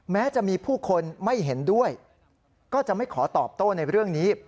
แม้จะมีผู้คนไม่เห็นด้วยก็จะไม่ขอตอบโต้ในเรื่องนี้